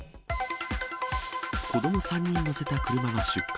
子ども３人乗せた車が出火。